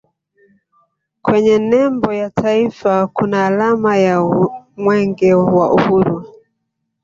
kwenye nembo ya taifa kuna alama ya mwenge wa uhuru